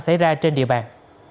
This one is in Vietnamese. xảy ra trên địa bàn